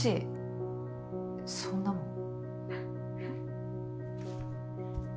そんなもん？